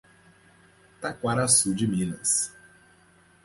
Taquaraçu de Minas